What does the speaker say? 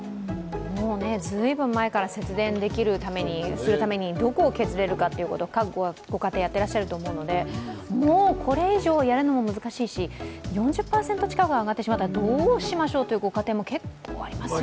もう随分前から節電するためにどこを削れるかと各ご家庭やっていると思うのでもうこれ以上やるのも難しいし、４０％近く上がってしまったらどうしましょうというご家庭も結構ありますよね。